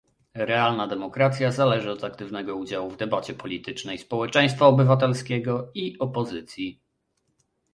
Realna demokracja zależy od aktywnego udziału w debacie politycznej społeczeństwa obywatelskiego i opozycji